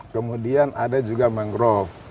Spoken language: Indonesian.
kemudian ada juga mangrove